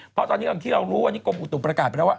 เพราะตอนนี้อย่างที่เรารู้วันนี้กรมอุตุประกาศไปแล้วว่า